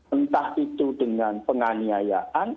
entah itu dengan penganiayaan